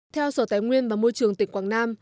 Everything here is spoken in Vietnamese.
theo sở tài nguyên và môi trường tỉnh quảng nam